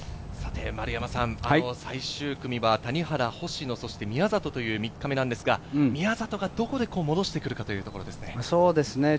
最終組は谷原、星野、宮里という３日目なんですが、宮里がどこで戻してくるかというところですね。